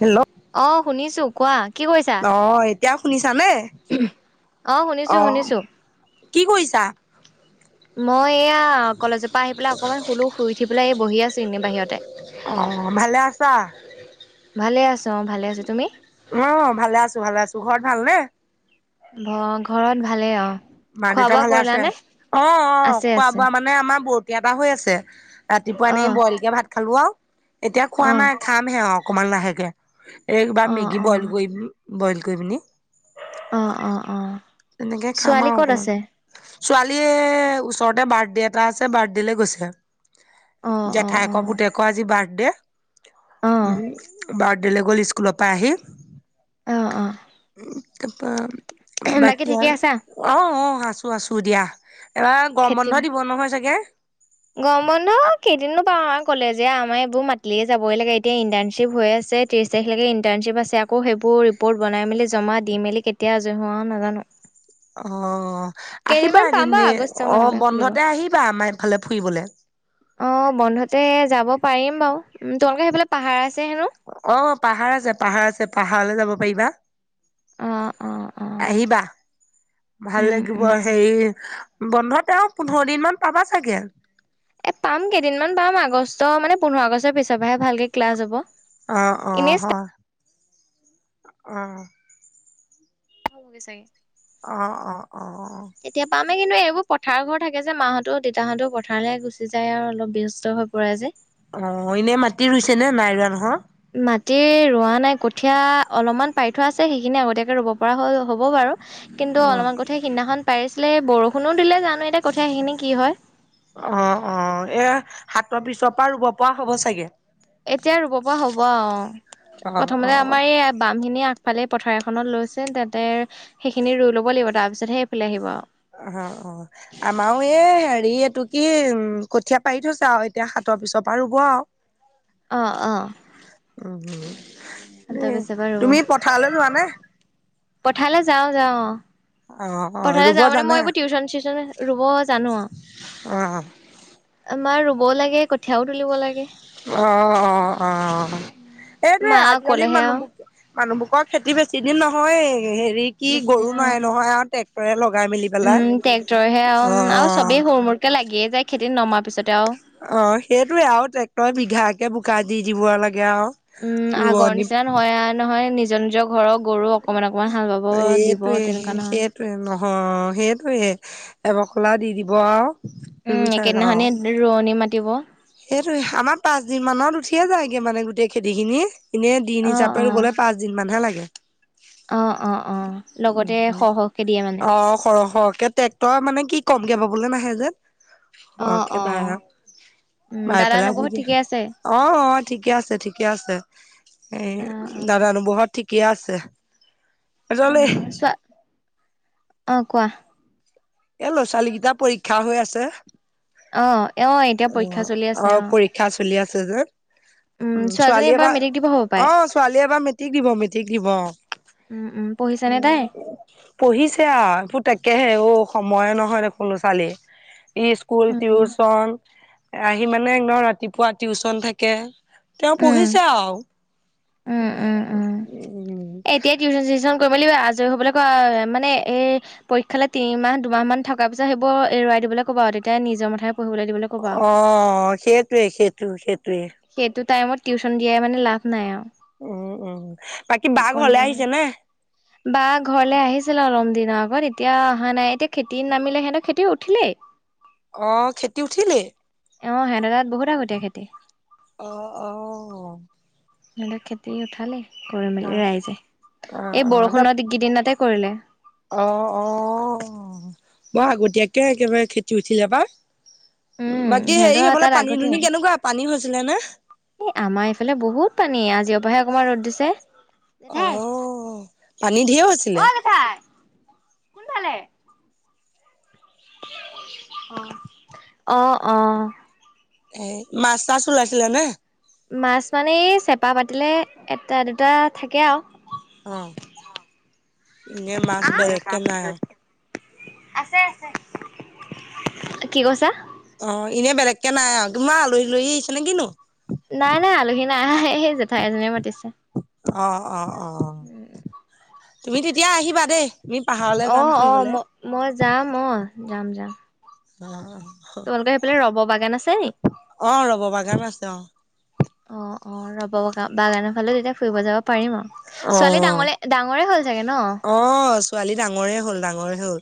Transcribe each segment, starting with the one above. Hello. অঁ' শুনিছো কোৱা, কি কৰিছা? অ' এতিয়া শুনিছা নে? অঁ', শুনিছো-শুনিছো। কি কৰিছা? মই এয়া কলেজৰ পৰা আহি পেলাই অকণমান শুলো, শুই উঠি পেলাই এই বহি আছো এনেই বাহিৰতে। অ ভালে আছা? ভালে আছো অঁ' ভালে আছো। তুমি? অঁ' ভালে আছো, ভালে আছো। ঘৰত ভালনে? অ' ঘৰত ভালেই আও। মাঁ-দেউতা ভালে আছে? অঁহ', -অঁহ', আছে - আছে খোৱা-বোৱা মানে আমাৰ বৰবিয়া এটা হৈ আছে। ৰাতিপুৱা এনেই অ', বইলকে ভাত খালো আৰু, এতিয়া খোৱা অ', নাই খাম'হে আৰু অকণমান লাহেকে। এইসোপা অ', মেগী বইল অ'। কৰিম, বইল কৰি কিনি অঁহ', -অঁহ', -অঁ', -। তেনেকে খাম আৰু অকণমান। ছোৱালীয়ে ওচৰতে বাৰ্থডে এটা আছে বাৰ্থডে লে গৈছে। অ', অ', জেঠাইকৰ অ', পুতে'ক আজি বাৰ্থডে, অ'। বাৰ্থডে লে গ'ল। ই- স্কুলৰ পৰা আহি। অ', অ', উম' তাৰপা বাকী ঠিকে আৰু আছা? অঁহ', -অঁহ', -অঁহ', - আছো-আছো দিয়া। এইবাৰ গৰম খেতি বন্ধ দিব নহয় চাগে? গৰম বন্ধ কেইদি নো পাওঁ, আ ক'লে যে আমাৰ এইবোৰ মাতিলেই যাবই লাগে, এতিয়া ইন্টাৰ্নশ্বিপ হৈ আছে। ত্ৰেইচতাৰিখলৈকে ইন্টাৰ্নশ্বিপ আছে, আকৌ সেইবোৰ ৰিপৰ্ট বনাই মেলি জমা দি মেলি কেতিয়া আজৰি হওঁ আৰু নাজানো। অ, আহিবা কেইদিনমান পাম এদিন বাৰু আগষ্ট মানৰ অহ', পৰা খুলিব বন্ধতে আহিবা আমাৰ এইফালে ফুৰিবলৈ। অ' বন্ধতে যাব পাৰিম বাৰু। তোমলোকৰ সেইফালে পাহাৰ আছে হেনো? অঁ' পাহাৰ আছে, পাহাৰ আছে, পাহাৰলৈ যাব পাৰিবা। অ অ অ আহিবা ভাল উম লাগিব। উম উম। হেৰি- বন্ধ তেওঁ পোন্ধৰ দিন মান পাবা চাগে? এ' পাম কেইদিনমান পাম। আগষ্ট মানে পোন্ধৰ আগষ্টৰ পিছৰ পৰাহে ভালকে ক্লাছ হ'ব। অঁহ', এনেই -অঁহ', ষ্টাৰ্ট -হয়। উম। হয়, ছাগে। অঁহ', -অহ', -অহ', -অহ', -। এতিয়া পামেই কিন্তু এইবোৰ পথাৰ ঘৰ থাকে যে, মাহঁতৰ, দেতাহঁতেও পথাৰলৈ গুচি যায় আৰু অলপ ব্যস্ত হৈ পৰে যে। অহ', - এনেই মাটি ৰুইছে নে নাই ৰোৱা নহয়? মাটি ৰোৱা নাই। কঠিয়া অলপমান পাৰি থোৱা আছে সেইখিনি আগতীয়াকে ৰুব পৰা হৈ হ'ব বাৰু। কিন্তু অ অলপমান কঠিয়া সিদিনাখন পাৰিছিলে, বৰষুণো দিলে জানো এতিয়া কঠিয়াখিনি কি হয়। অঁহ', - অঁহ',। এয়া সাতৰ পিছৰ পৰা ৰুব পৰা হ'ব চাগে। এতিয়া ৰুব পৰা হ'ব আও। অ প্ৰথমতে অ আমাৰ এই বামখিনি আ- ইফালে পথাৰ এখনত লৈছে, তা'তে সেইখিনি ৰুই ল'ব লাগিব তাৰপিছত'হে এইফালে আহিব আৰু। আহা অঁ', -। আমাৰো এই হেৰি এইটো কি উম' কঠীয়া পাৰি থৈছে আৰু এতিয়া সাতৰ পিছৰ পৰা ৰুব আৰু। অহ', -অহ', -। তাৰপিছৰ পৰা তুমি পথাৰলৈ যোবা নে? পঠালে যাওঁ যাওঁ অ অ অ পথাৰলে ৰুব যাওঁ মানে জানে মই এইবোৰ টিউচন চিউচন ৰুব জানো আৰু অ আমাৰ ৰুবও লাগে কঠীয়াও তুলিব লাগে অ অ অ মা এইটোয়ে আজিকালি অকলেহে আৰু মানুহবোৰ মানুহবোৰকৰ খেতি বেছি দিন নহয়য়ে হেৰি কি বেছি গৰু অ'। নাই নহয় আৰু ট্ৰেক্টৰে লগাই মেলি উম পেলাই অ লাগীয়ে যায় খেতিত নমাৰ পিছতে আৰু অ সেইটোয়ে আৰু ট্ৰেক্টৰ বিঘাকে বোকা দি দিব লাগে আৰু উম আগৰ ৰোৱনী নিচিনা নহয়া নহয় নিজৰ নিজৰ ঘৰৰ গৰু অকমান অকনমান হাল বাব দিব এইটোৱে তেনেকুৱা নহয় সেইটোৱে নহয় সেইটোৱে এবখলা দি দিব আও উম একেইদিনে খনিয়ে ৰোৱনী মাতিব সেইটো আমাৰ পাঁচ দিন মানত উঠিয়ে যায়গে মানে গোটেই খেতিখিনি এনে দিন অ হিচাপে ৰুবলে পাঁচ দিন মানহে লাগে অ অ অ লগতে সৰহ সৰহকে দিয়ে মানে অ সৰহ সৰহকে ট্ৰেক তই মানে কি কমকে বাবলে নাহে যে অ সৰহকে অ ভাড়া উম বাই দাদা পেলাই দি নবৌহত দিয়ে ঠিকে আছে অ অ ঠিকে আছে ঠিকে আছে অ অ উম দাদা নবৌ হত ঠিকে আছে অ জ্বলে অ কোৱা এ ল'ৰা ছোৱালী কেইটা পৰীক্ষা হৈ আছে অ অ এতিয়া পৰীক্ষা চলি আছে অ পৰীক্ষা চলি আছে যে উম ছোৱালীজনী ছোৱালীয়ে এইবাৰ এবাৰ মেট্ৰিক দিব হ'ব পাই অ ছোৱালীয়ে এবাৰ মেট্ৰিক দিব মেট্ৰিক দিব অ উম উম পঢ়িছে নে তাই পঢ়িছে আ তাকেহে অ সময়ে নহয় দেখোন ছোৱালীৰ ই স্কুল উম উম টিউচন আহি মানে একদম ৰাতিপুৱা টিউচন থাকে তেওঁ উম পঢ়িছে আৰু উম এ এতিয় টিউচন চিউশচন কৰি মেলি আজৰি হ'বলৈ কোৱা মানে এই পৰীক্ষালে তিনিমাহ দুমাহ মান থকাৰ পিছত সেইবোৰ এৰুৱাই দিবলৈ ক'বা আৰু তেতিয়া নিজৰ মাথাই পঢ়িবলৈ দিবলৈ ক'বা আৰু। অ সেইটোৱে সেইটো সেইটোৱে সেইটো টাইমত টিউশচন দিয়াই মানে লাভ নাই আও উম উম বাকী বা ঘৰলে একণ্টিয়ামান আহিছে নে বা ঘৰলে আহিছিল অলম দিনৰ আগত এতিয়া অহা নাই এতিয়া খেতি নামিলে সিহঁতক খেতি উঠিলেই অ খেতি উঠিলেই অ সিঁহতৰ তাত বহুত আগতীয়া খেতি অ অ সিহঁতক খেতি উঠালে কৰি অ মেলি ৰাইজে অ এই অ ত বৰষুণৰ গিদিনতে কৰিলে অ অ বৰ আগতীয়াকে একেবাৰে খেতি উঠিলে পাই উম বাকী সিহঁতৰ হেৰি সেইফালে তাত পানী দুনী কেনেকুৱা পানী হৈছিলে নে এ আমাৰ এইফালে বহুত পানী আজিৰ পৰাহে অকণমান ৰ'দ দিছে অ পানী ঢেৰ ঐ হৈছিলে জেঠাই কোনফালে অ অ এ মাছ চাছ ওলাইছিলে নে মাছ মানে চেপা পাতিলে এটা দুটা থাকে আও অ এনেই মাছ বেলেগকে নাই আও আছে আছে কি কৈছা অ এনে বেলেগকে নাই আৰু তোমাৰ আলহী দুলহী আহিছে নে কিনো নাই নাই আলহী নাই সেই জেঠাই এজনী মাতিছে। অ অ অ উম উম তুমি তেতিয়া আহিবা দেই তুমি পাহাৰত অ অ ম মই যাম অ যাম যাম অ তেওঁলোকৰ সেইফালে ৰব বাগান আছে নেকি অ ৰ'ব বাগান আছে অ অ অ ৰ'ব বা বাগানৰ ফালে তেতিয়া ফুৰিব যাব পাৰিম আও ছোৱালী অ', ডাঙৰে ডাঙৰে হ'ল চাগে ন অ ছোৱালী ডাঙৰে হল ডাঙৰে হ'ল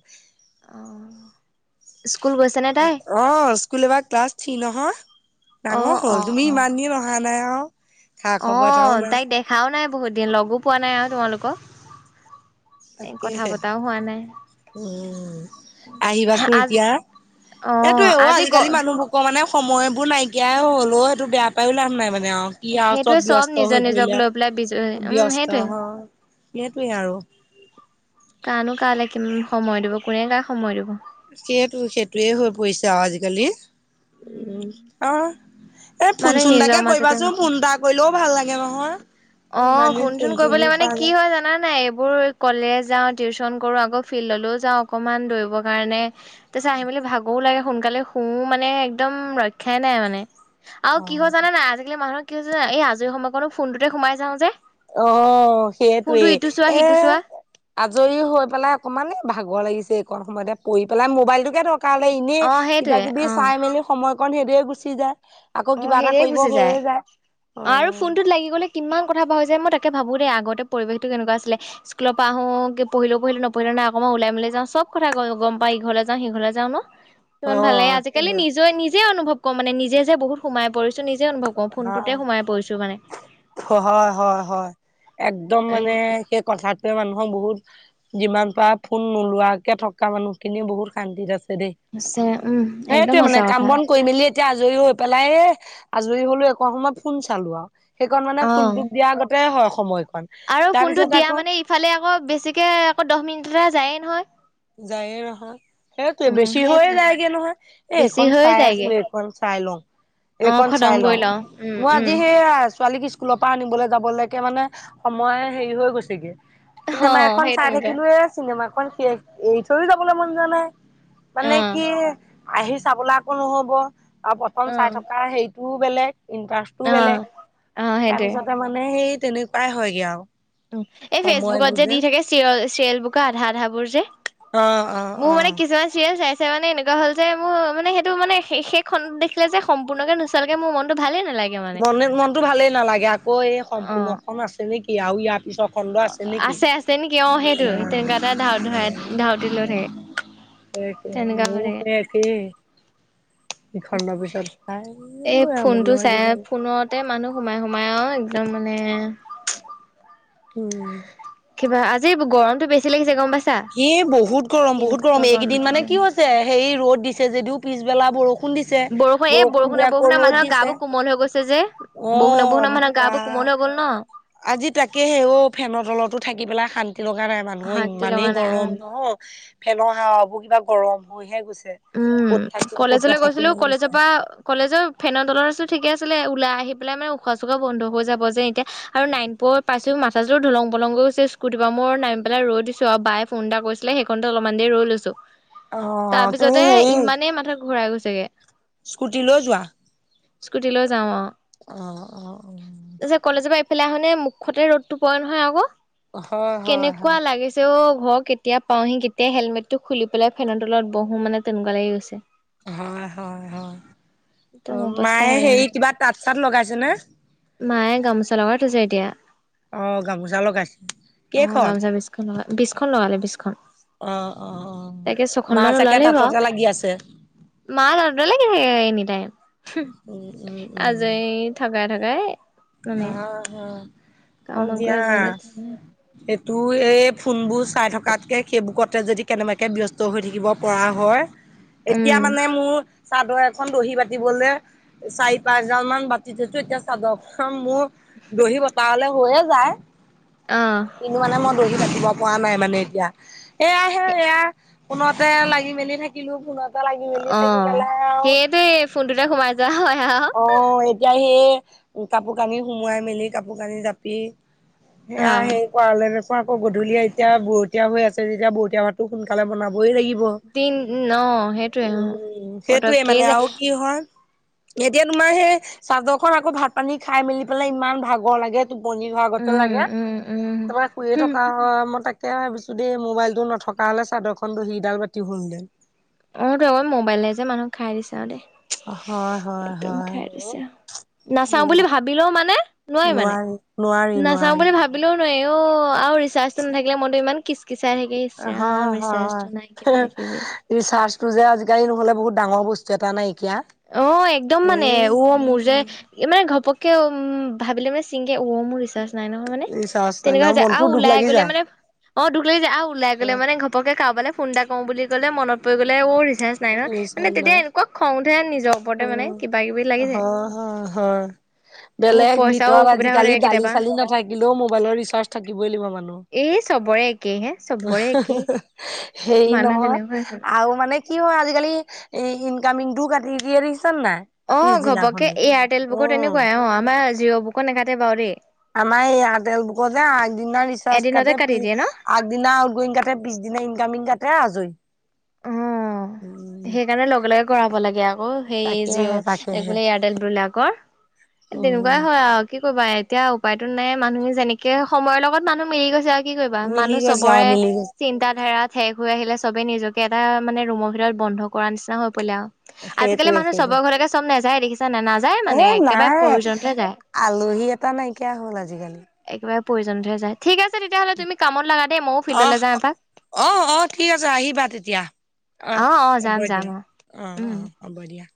অ স্কুল গৈছে। নে তাই? অ স্কুল এবাৰ ক্লাছ থ্ৰী নহয় ডাঙৰ অ', হ'ল অ', তুমি অ', ইমান দিন অহা নাই আও অ তাইক দেখাও নাই বহুত দিন লগো পোৱা নাই আও তোমালোকক এ কথা তাকেহে পতাও হোৱা নাই উ আহিবাচোন আজি এতিয়া এইটোৱে অ আজি গ আজিকালি মানুহবোৰ মানে সময়বোৰ নাইকিয়াই হ'ল অ সেইটো বেয়া পায়ো লাভ নাই মানে আও কি আও সেইটোৱে চব ব্যস্ত নিজৰ হৈ নিজক পৰিলে আও লৈ পেলাই বিজ উম ব্যস্ত সেইটোৱে হয় সেইটোৱে আৰু কানো কা লাগি সময় দিব কোনে কাক সময় দিব সেইটো সেইটোৱেই হৈ পৰিছে আও আজিকালি উম উ অ এ ফোন মানে চোন নিজৰ এটাকে মাজতে কৰিবাচোন মছে ফোন এটা কৰিলেও ভাল লাগে নহয় অ ইমান দিন ফোন চোন চোনো কৰিবলৈ মানে কৰা কি নাই হয় জানা নাই এইবোৰ কলেজ যাওঁ টিউচন কৰোঁ আকৌ ফিল্ডলৈও যাওঁ অকণমান দৌৰিবৰ কাৰণে তাৰপিছত আহি মেলি ভাগৰো লাগে সোনকালে শুওঁ মানে একদম ৰক্ষাই নাই মানে আৰু কি হয় অ জানে নাই আজিকালি মানুহৰ কি হৈছে এই আজৰি সময়কনো ফোনটোতে সোমাই যাও যে অ ফোনটো সেইটোৱেই ইটো চোৱা এ সিটো চোৱা আজৰি হৈ পেলাই অকণমান এই ভাগৰ লাগিছে একণ সময়তে পৰি পেলাই মোবাইল টোকে ধৰক কালে এনেই অ কিবা সেইটোৱে কিবি অ চাই মেলি সময়কন সেইদৰে গুচি যায় আকৌ অ কিবা এটা সেই কৰিব গুচি যায় হৈয়ে অ আৰু ফোনটোত লাগি গলে। কিমান কথা পাহৰি যায় মই তাকে ভাবোঁ দেই আগতে পৰিৱেশটো কেনেকুৱা আছিলে স্কুলৰ পৰা আহো কি পঢ়িলেও পঢ়িলো নপঢ়িলেও নাই মই ওলাই মেলি যাওঁ চব কথা গম পায় ঘৰত যাওঁ সিঘৰলৈ যাওঁ ন কিমান ভাল লাগে অ' আজিকালি সেইবিলাক নিজ নিজে অনুভৱ কওঁ মানে নিজে যে বহুত সোমাই পৰিছো নিজে অনুভৱ আকৌ ফোনটোতে অ' সোমাই পৰিছোঁ মানে হয় হয় হয় একদম মানে সেই কথাটোৱে মানুহৰ বহুত যিমান পাৰ ফোন নোলোৱাকে থকা মানুহখিনি বহুত শান্তিত আছে দেই উম একদম সেইটোয়ে মানে সঁচা কাম কথা বন কৰি মেলি এতিয়া আজৰি হৈ পেলাই এ আজৰি হলো একণ সময় ফোন চালো আও সেইকণ মানে অ ফোনতোক দিয়া আগতে হে হয় সময়কণ আৰু ফোনটোত তাৰপিছত দিয়া আকৌ মানে ইফালে আকৌ বেছিকে আকৌ দহ মিনিট এটা যায়ে নহয় যায়ে নহয় সেইটোৱে উম বেছি হৈয়ে সেইটোৱে যায়গে নহয় এই বেছি একন হৈ চাই যায়গে আছো একন চাই লওঁ অ এইকন খতম চাই কৰি লওঁ উম মই উম আজি সেইয়া ছোৱালীক স্কুল স্কুলৰ পৰা আনিবলৈ যাবলৈকে মানে সময় হেৰি হৈ গৈছেগে অ চিনেমা এখন সেই চাই তেনেকুৱা থাকিলো এ চিনেমাখন শেষ এৰি থৈও যাবলৈ মন যোৱা নাই অ মানে কি আহি চাবলৈ আকৌ নহব আৰু প্ৰথম অ চাই থকা হেৰি টোও বেলেগ ইণ্টাৰেষ্টও অ বেলেগ অ তাৰ সেইটোৱে পিছতে মানে সেই তেনেকুৱাই হয়গে আৰু এই ফেচবুকত যে দি থাকে চিৰিয় চিৰিয়েল বুক আধা আধা বোৰ যে অ অ মোৰ অ মানে কিছুমান চিৰিয়েল‌ চাই চাই মানে এনেকুৱা হল যে মোৰ মানে সেইটো মানে সেই সেই খণ্ড দেখিলে সম্পূৰ্ণকে নোচোৱালকে মোৰ মনটো ভালেই নালাগে মানে মনে মনটো ভালেই নালাগে আকৌ এই সম্পূৰ্ণখন আছে নেকি আৰু ইয়াৰ পিছত অ আছে আছে নেকি অ সেইটো তেনেকুৱা এটা ধাউ ধাউতি লৈ থাকে সেইটোৱে তেনেকুৱা হৈ মোৰো থাকে সেই একে ইখণ্ডৰ পিছত চাই [unintelligible] আজিকালি তাতে মানুহ সোমাই সোমাই আৰু একদম মানে উম কিবা আজি গৰমতো বেছি লাগিছে গম পাই [unintelligible] বহুত গৰম বহুত গৰম এইকেইদিন মানে উঠিছে। কি হৈছে সেই ৰ'দ দিছে যদিও পিছবেলা বৰষুণ দিছে বৰষুণ এই দি বৰষুণে আকৌ বৰষুণে ৰ'দ মানুহৰ গা দিছে বোৰ কোমল হৈ গৈছে যে অ বৰষুণে বৰষুণৰ [unintelligible] বা গাবোৰ কোমল হৈ গ'ল ন আজি তাকেহে অ ফেনৰ তলতো থাকি পেলাই শান্তি লগা নাই মানুহৰ শান্তি ইমানেই লগা নাই উম। অ ফেনৰ হাৱাবোৰ কিবা গৰম হৈহে গৈছে উম ক'ত থাকিম ক'ত কলেজলৈ নাথাকিম গৈছিলো হৈ গৈছে কলেজৰ পৰা কলেজৰ ফেনৰ তলৰ আছিলো ঠিকে আছিলে ওলাই আহি পেলাই মানে উশাহ চুশাহ বন্ধ হৈ যাব যে এতিয়া আৰু নাইন [unintelligible] [unintelligible] ঢলং পলং হৈ গৈছে স্কুটি [unintelligible] নামি পেলাই ৰৈ দিছো আৰু বায়ে ফোন এটা কৰিছিলে সেইকনতে অলপমান দেৰি ৰৈ লৈছো [unintelligible] অ তুমি হেৰি ইমানেই মাথা ঘূৰাই গৈছেগে স্কুটি লৈ যোৱা। স্কুটিলৈ যাওঁ অ'। অ', অ', অ',। তাৰপিছত কলেজৰ পৰা এইফালে আহ নে মুখতে ৰ'দতো পৰে নহয় আকৌ অ হয় হয় কেনেকুৱা হয় লাগিছে। তে অ ঘৰ কেতিয়া পাওহি কেতিয়া হেলমেটটো খুলি পেলাই ফেনৰ তলত বহো মানে তেনেকুৱা লাগি গৈছে। হয় হয় হয় অ একদম অৱস্থা মায়ে হে হেৰাং হৈ যায়। কিবা তাঁত চাত লগাইছে নে। মায়ে গামোচা লগাই থৈছে এতিয়া। অ', গামোচা লগাইছে অ' কেইখন। গামোচা বিছখন বিছখন লগালে বিখন। অ', অ', অ', মা ছাগে ওলালে বাৰু। তাততে লাগি আছে। মা [unintelligible] থাকে এনি টাইম উম উম আজ য থাকাই থাকাই আহ হ ক কাম বন কৰি দিয় আজৰি হা। হ'লে সেইটো এই ফোনবোৰ চাই থকাতকৈ সেইবুকতে যদি কেনেবাকৈ ব্যস্ত হৈ থাকিব পৰা হয় [inaudible] এতিয়া মানে মোৰ চাদৰ এখন দহি বাতিবলৈ চাৰি পাঁচজন মান বাতি থৈছো এতিয়া চাদৰখন মোৰ দহি বতা হ'লে হৈয়ে যায়। অ'। কিন্তু মানে মই দৰি ৰাতিব পৰা নাই মানে এতিয়া এয়া হে এয়া। ফোনতে লাগি মেলি থাকিলো ফোনতে লাগি মেলি থাকি অ' পেলাই আৰু সেইটোৱে ফোনটোতে সোমাই যোৱা হয় আৰু। অ', এতিয়া সেই কাপোৰ কানি সুমোৱাই মেলি কাপোৰ কানি জাপ পি সেয়া অ' সেই কোৱে নোকোৱা আক গধূলিয় এতিয়া বৰতীয়া হৈ আছে তেতিয়া বৰতীয়া ভাতো সোনকালে বনাবই লাগিব। উম, দিন অ' সেইটোৱে অ' সেইটোৱে পতককে মানে যায় আৰু কি হয় এতিয়া তোমাৰ সেই চাদৰখন আকৌ ভাত পানী খাই মেলি পেলাই ইমান ভাগৰ লাগে। টোপনি ধৰা আগতে উম লাগে উম উম তাৰপৰা শুইে হুম থকা হয়। মই তাক এতিয়া ভাবিছো দেই মোবাইলটো নথকা হ'লে চাদৰখনো দহি ডাল বাতি হ'ল হেতেন। অ', তো আকৌ মোবাইলে যে মানুহক খাই দিছে আৰু দেই। হয় হয় একদম হয় খাই দিছো আৰু নাচাওঁ বুলি ভাবিলও মানে নোৱাৰি মানে নোৱাৰি নাচাওঁ নোৱাৰি বুলি ভাব নোৱাৰি অ' আৰু ৰিচাৰ্টো নাথাকিলে মনটো ইমান কিচকিচাই থাকে। ইচি ৰাম ৰিচাৰজো নাই কিবা কিবি। ৰিচাৰ্জতটো যে আজিকালি নহ'লে বহুত ডাঙৰ বস্তু এটা নাইকিয়া। অ', একদম মানে এই অও মোৰ যে ই মানে ঘপকে উম ভাবিলে মানে ছিংগে মোৰ ৰিৰ্চাজ নাই নহয়। অ', মানে ৰিচাৰ্জ নাই তেনেকুৱা হৈ নহয় যায় মনটো আৰু দুখ ওলাই লাগি গ'লে যায়। মানে অ' দুখ লাগি যায় আৰু ওলাই গ'লে মানে ঘপকে কাৰবালে ফোন এটা কওঁ বুলি ক'লে মনত পৰি গ'লে অ' ৰিচাৰ্জ নাই নহয় মানে ৰিচাৰ্জ তেতিয়া নাই এনেকুৱা খং তে নিজৰ ওপৰতে মানে হয় কিবা কিবি লাগি যায়। হয় হয়। মোৰ বেলেগ পইচাও ভিতৰত অসুবিধা হৈ আজিকালি থাকে দালি কেতিয়াবা। চালি নাথাকিলেও মোবাইলৰ ৰিচাৰ্জ থাকিবই লাগিব মানুহ। এই চবৰে একেই হে চবৰে একেই। হেৰি মানুহ নহয় তেনেকুৱাই আছে। আৰু মানে কি হয় আজিকালি এ ইনকামিংটো কাটি দিয়ে দেখিছনে নাই। অ', ঘপকে পিছদিনাখনি। এয়াৰটেল বুকৰ তেনেকুৱাই অ' আমাৰ জিঅ' বুকৰ নাকাটে বাৰু দেই। আমাৰ এই আটেল বুকৰ যে আগদিনা ৰিচাৰ্জ কাট এদিনতে কাটি দিয়ে ন? আগদিনা আউটগ'ইং পিছ দিনা ইনকামিং কাটতে আজৰি। অ'। উম সেইকাৰণে লগে লগে কৰাব লাগে আকৌ সেই তাকেহে জিঅ' তাকেহে বোলে এয়াৰটেলবিলাকৰ। উম। তেনেকুৱাই হয় আৰু। কি কৰিবা এতিয়া উপায়তো নাই, মানুহে যেনেকে সময়ৰ লগত মানুহ মিলি গৈছে। কি কৰিবা মিলি মানুহ গৈছে আৰু চবৰে মিলি গৈছে চিন্ত ধাৰা ঠেক হৈ আহিলে, চবেই নিজকে এটা মানে ৰুমৰ ভিতৰত বন্ধ কৰা নিচিনা হৈ পৰিলে আৰু। আজিকালি সেইটোৱে মানুহ চবৰ সেইটোৱে ঘৰলৈকে চব নাযায়, দেখিছা নাযায় মানে এ একেবাৰে নাই প্ৰয়োজনত হে যায়। আলহী এটা নাইকিয়া হ'ল আজিকালি। একেবাৰে প্ৰয়জনতহে যায়, ঠিক আছে তেতিয়া হ'লে তুমি কামত লগা দেই ময়ো অহ ফিল্ডলৈ যাওঁ এপাক। অ', অ', ঠিক আছে আহিবা তেতিয়া। অহ অ', অ', হ'ব যাম যাম দিয়া অ' উম'। হ'ব দিয়া।